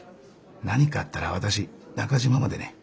何かあったら私中島までね。